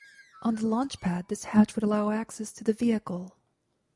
On the launch pad this hatch would allow access to the vehicle.